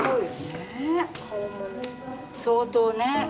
相当ね。